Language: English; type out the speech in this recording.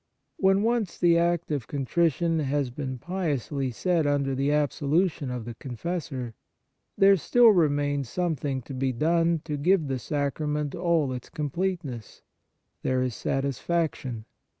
When once the act of contrition has been piously said under the absolution of the confessor, there still remains something to be done to give the sacrament all its completeness ; there is satisfaction.